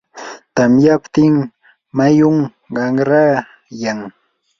tamyaptin mayum qanrayan.